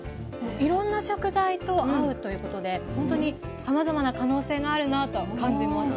いろんな食材と合うということでほんとにさまざまな可能性があるなと感じました。